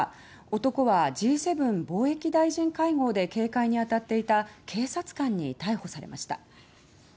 男はＧ７貿易大臣会合で警戒にあたっていた警察官に逮捕されました。